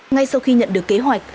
ngay sau khi nhận được kế hoạch